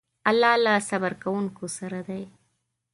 الله له صبر کوونکو سره دی.